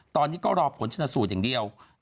ตอนนี้ก็รอผลชนสูตรอย่างเดียว